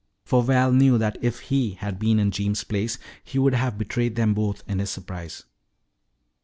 For Val knew that if he had been in Jeems' place he would have betrayed them both in his surprise.